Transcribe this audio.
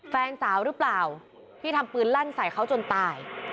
แฟนสาวหรือเปล่าที่ทำปืนลั่นใส่เขาจนตาย